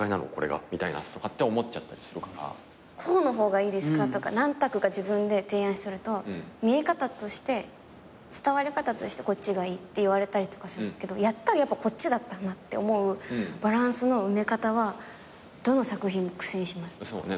「こうの方がいいですか？」とか何択か自分で提案すると見え方として伝わり方としてこっちがいいって言われたりとかするけどやったらやっぱこっちだったんだって思うバランスの埋め方はどの作品も苦戦します。